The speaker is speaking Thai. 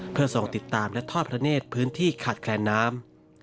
เพื่อส่งติดตามและทอดพระเนธพื้นที่ขาดแคลนน้ำ